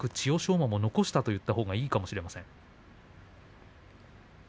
馬もよく残したと言ったほうがいいかもしれません。